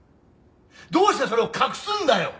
どうしてそれを隠すんだよ！